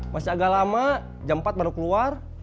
masih agak lama jam empat baru keluar